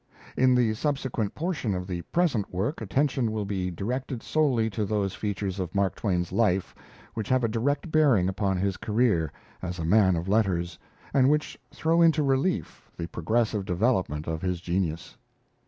In the subsequent portion of the present work attention will be directed solely to those features of Mark Twain's life which have a direct bearing upon his career as a man of letters, and which throw into relief the progressive development of his genius.